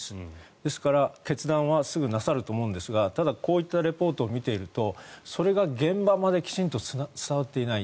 ですから、決断はすぐなさると思うんですがただ、こういったリポートを見ているとそれが現場まできちんと伝わっていない。